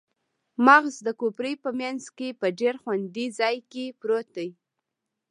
مغز د کوپړۍ په مینځ کې په ډیر خوندي ځای کې پروت دی